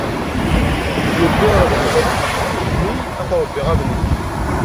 Yelli rebbi-tt am kemm, mmi ad t-rebbiɣ am nekk.